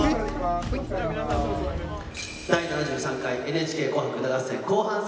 「第７３回ＮＨＫ紅白歌合戦」